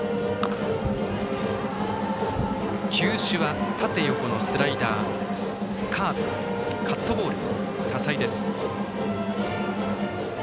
球種は縦、横のスライダーカーブ、カットボールと多彩です。